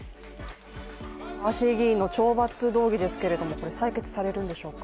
ガーシー議員の懲罰動議ですけれども採決されるんでしょうか？